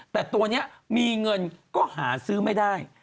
แต่ตัวนี้มีเงินก็หาซื้อไม่ได้